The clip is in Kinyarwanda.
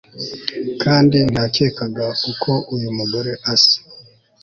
kandi ntiyakekaga uko uyu mugore asa